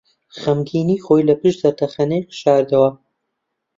خەمگینیی خۆی لەپشت زەردەخەنەیەک شاردەوە.